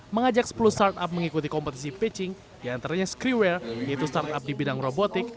mengajak sepuluh startup mengikuti kompetisi pitching yang antaranya skreware yaitu startup di bidang robotik